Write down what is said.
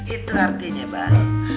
itu artinya baik